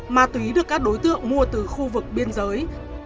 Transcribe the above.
ma túy được các đối tượng mua từ khu vực biên giới